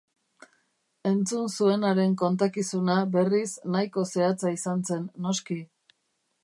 Entzun zuenaren kontakizuna, berriz, nahiko zehatza izan zen, noski.